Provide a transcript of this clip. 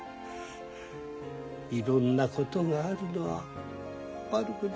いろんなことがあるのは悪くない。